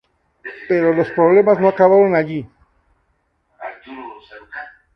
Pero los problemas no acabaron allí.